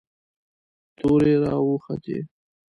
تورې را وختې.